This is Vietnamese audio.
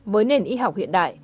với nền y học hiện đại